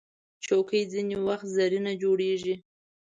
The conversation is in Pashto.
چوکۍ ځینې وخت زرینه جوړیږي.